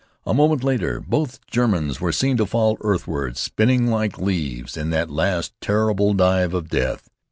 A moment later both Germans were seen to fall earthward, spinning like leaves in that last terrible dive of death.